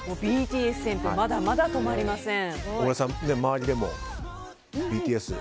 ＢＴＳ旋風まだまだ止まりません。